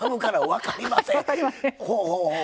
ほうほう。